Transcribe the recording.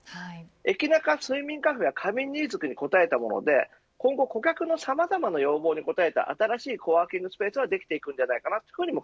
駅ナカ睡眠カフェは仮眠ニーズに応えたもので今後、顧客のさまざま要望に応えた新しいコワーキングスペースができると思います。